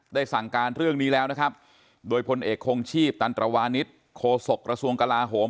สั่งการเรื่องนี้แล้วนะครับโดยพลเอกคงชีพตันตรวานิสโคศกระทรวงกลาโหม